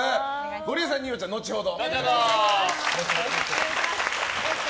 ゴリエさん、二葉ちゃんは後ほど。